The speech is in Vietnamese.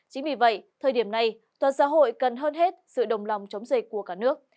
chính vì vậy thời điểm này toàn xã hội cần hơn hết sự đồng lòng chống dịch của cả nước